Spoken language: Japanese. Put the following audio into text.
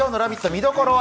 見どころは？